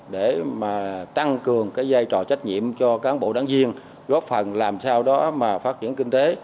để mà tăng cường cái giai trò trách nhiệm cho cán bộ đáng viên góp phần làm sao đó mà phát triển kinh tế